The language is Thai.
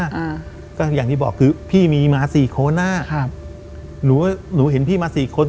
อ่าก็อย่างที่บอกคือพี่มีมาสี่คนอ่ะครับหนูหนูเห็นพี่มาสี่คน